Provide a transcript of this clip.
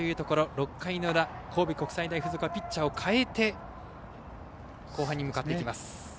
６回の裏、神戸国際大付属はピッチャーを代えて後半に向かっていきます。